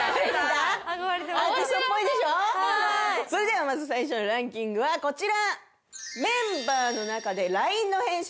それではまず最初のランキングはこちら！